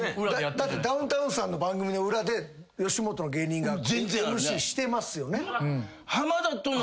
だってダウンタウンさんの番組の裏で吉本の芸人がＭＣしてますよね。